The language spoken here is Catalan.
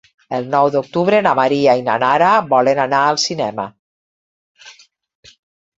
El nou d'octubre na Maria i na Nara volen anar al cinema.